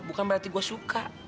bukan berarti gue suka